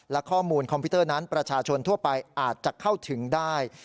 และข้อมูลคอมพิวเตอร์นั้นประชาชนทั่วไปอาจจะเข้าถึงได้